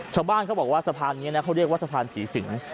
ชาวบ้านเขาบอกว่าสะพานนี้นะเขาเรียกว่าสะพานผีสิง